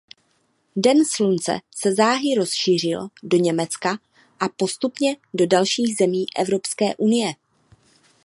Den Slunce se záhy rozšířil do Německa a postupně do dalších zemí Evropské unie.